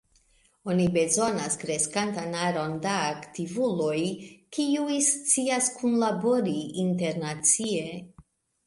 Oni bezonas kreskantan aron da aktivuloj, kiuj scias kunlabori internacie.